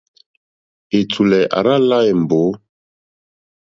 Ɛ̀tùlɛ̀ à rzá lā èmbǒ.